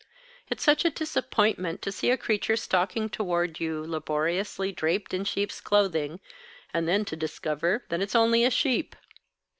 It's such a disappointment to see a creature stalking toward you, laboriously draped in sheep's clothing, and then to discover that it's only a sheep.